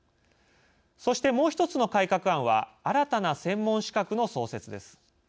そして、もう１つの改革案は新たな専門資格の創設です。